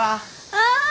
ああ！